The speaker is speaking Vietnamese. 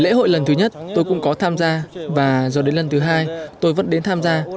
lễ hội lần thứ nhất tôi cũng có tham gia và giờ đến lần thứ hai tôi vẫn đến tham gia